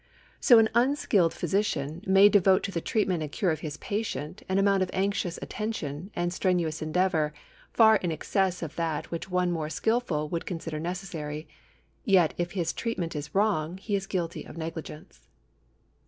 So an unskilful physician may devote to the treatment and cure of his patient an amount of anxious attention and strenuous endeavour, far in excess of that which one more skilful would consider necessary ; yet if his treatment is wrong, he is guilty of negligence."